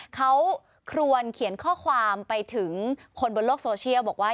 เขาควรเขียนข้อความไปถึงคนบนโลกโซเชียลบอกว่า